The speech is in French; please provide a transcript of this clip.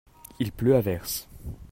il pleut à verse.